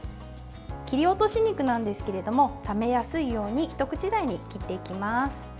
切り落とし肉なんですけども食べやすいように一口大に切っていきます。